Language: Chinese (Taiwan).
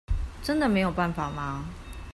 真的沒有辦法嗎？